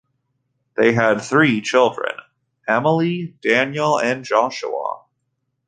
They had three children: Emily, Daniel and Joshua.